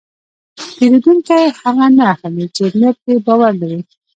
پیرودونکی هغه نه اخلي چې نه پرې باور لري.